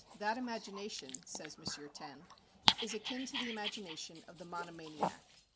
"That imagination," says M. Taine, "is akin to the imagination of the monomaniac."